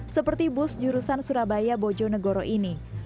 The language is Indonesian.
seperti bus jurusan surabaya bojo negoro ini